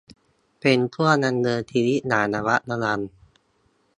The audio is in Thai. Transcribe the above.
เป็นช่วงดำเนินชีวิตอย่างระมัดระวัง